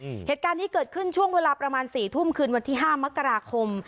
เหตุการณ์นี้เกิดขึ้นช่วงเวลาประมาณสี่ทุ่มคืนวันที่ห้ามกราคม